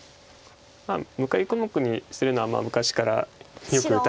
向かい小目にするのは昔からよく打たれてますけど。